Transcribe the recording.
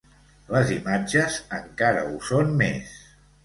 Les imatges encara ho són més.